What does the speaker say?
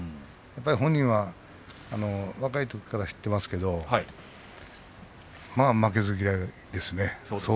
本人は若いときから知ってますけどまあ、負けず嫌いですね。